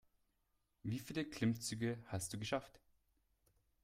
Wie viele Klimmzüge hast du geschafft?